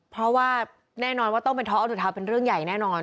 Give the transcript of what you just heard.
เพราะว่าแน่นอนว่าต้องไปท้อเอาดุทาเป็นเรื่องใหญ่แน่นอน